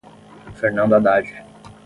Fernando Haddad